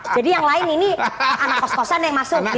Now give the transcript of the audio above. jadi yang lain ini anak kos kosan yang masuk gitu ya